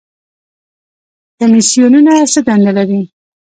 کمیسیونونه څه دنده لري؟